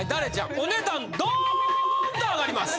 お値段ドンと上がります。